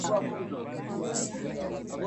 Roho yangu imekwazwa na yule kijana